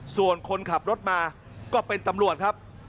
ส่วนคนขับรถมาก็เป็นตำรวจครับ